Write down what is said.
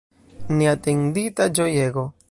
Neatendita ĝojego!